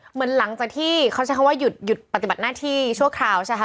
เหมือนหลังจากที่เขาใช้คำว่าหยุดปฏิบัติหน้าที่ชั่วคราวใช่ไหมคะ